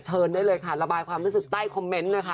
เชิญได้เลยค่ะระบายความรู้สึกใต้คอมเมนต์เลยค่ะ